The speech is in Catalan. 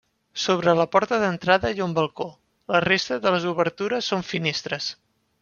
Sobre la porta d'entrada hi ha un balcó, la resta de les obertures són finestres.